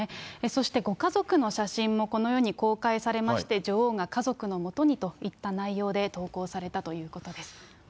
そしてご家族の写真もこのように公開されまして、女王が家族のもとにといった内容で投稿されたということです。